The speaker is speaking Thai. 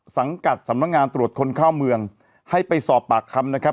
สังกัดสำนักงานตรวจคนเข้าเมืองให้ไปสอบปากคำนะครับ